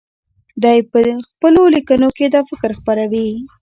دی په خپلو لیکنو کې دا فکر خپروي.